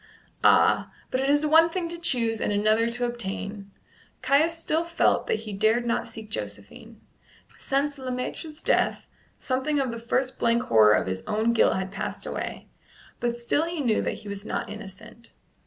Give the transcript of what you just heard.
Ah! but it is one thing to choose and another to obtain. Caius still felt that he dared not seek Josephine. Since Le Maître's death something of the first blank horror of his own guilt had passed away, but still he knew that he was not innocent.